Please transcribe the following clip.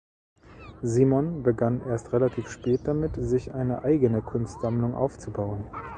Simon begann erst relativ spät damit, sich eine eigene Kunstsammlung aufzubauen.